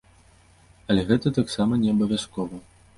Але гэта таксама не абавязкова.